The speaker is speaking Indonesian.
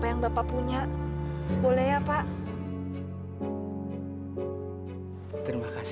ini adalah tempat yang paling menyenangkan